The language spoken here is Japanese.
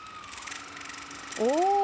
お。